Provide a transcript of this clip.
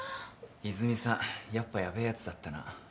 泉さんやっぱヤベえやつだったな。